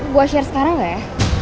gue share sekarang gak ya